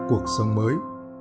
cuộc sống mới